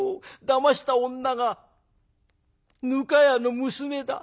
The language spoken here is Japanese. だました女がぬか屋の娘だ」。